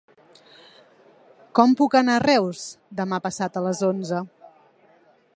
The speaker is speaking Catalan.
Com puc anar a Reus demà passat a les onze?